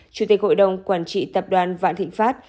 chủ tịch hội đồng quản trị tập đoàn vạn thịnh pháp